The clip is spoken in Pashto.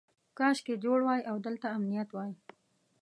کاشکې جوړ وای او دلته امنیت وای.